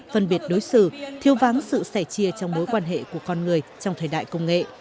phân biệt đối xử thiêu váng sự sẻ chia trong mối quan hệ của con người trong thời đại công nghệ